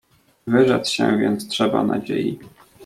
"Wyrzec się więc trzeba nadziei."